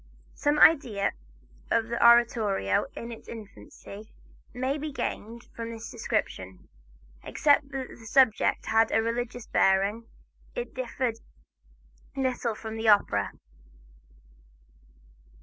Some idea of the oratorio in its infancy may be gained from this description. Except that the subject had a religious bearing, it differed little from the opera.